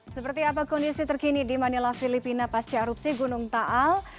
seperti apa kondisi terkini di manila filipina pasca erupsi gunung taal